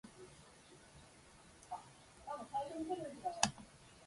好きと好きだったの想さと感情は、きっと別なんだよね。